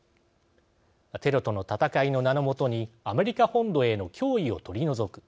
テロとの戦いの名のもとにアメリカ本土への脅威を取り除く。